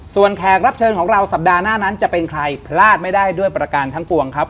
ส่วนแขกรับเชิญของเราสัปดาห์หน้านั้นจะเป็นใครพลาดไม่ได้ด้วยประการทั้งปวงครับ